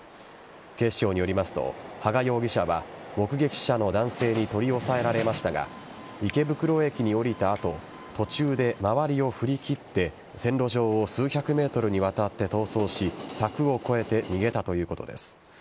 警視庁によりますと羽賀容疑者は目撃者の男性に取り押さえられましたが池袋駅に降りた後途中で周りを振り切って線路上を数百ｍにわたって逃走し柵を越えて逃げたということです。